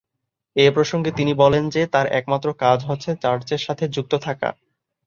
এ প্রসঙ্গে তিনি বলেন যে, তার একমাত্র কাজ হচ্ছে চার্চের সাথে যুক্ত থাকা।